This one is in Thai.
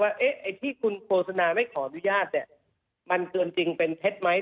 ไอ้ที่คุณโฆษณาไม่ขออนุญาตเนี่ยมันเกินจริงเป็นเท็จไหม